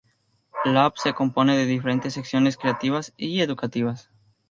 La app se compone de diferentes secciones creativas y educativas.